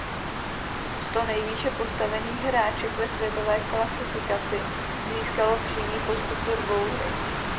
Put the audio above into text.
Sto nejvýše postavených hráček ve světové klasifikaci získalo přímý postup do dvouhry.